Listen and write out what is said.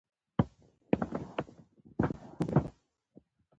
کابل د افغانستان د ټولو هیوادوالو لپاره یو لوی ویاړ دی.